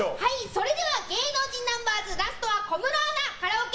それでは芸能人ナンバーズラストは小室アナカラオケ